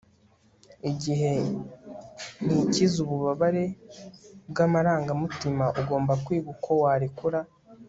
igihe ntikiza ububabare bw'amarangamutima, ugomba kwiga uko warekura